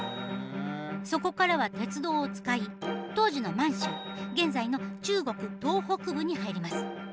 そこからは鉄道を使い当時の満州現在の中国東北部に入ります。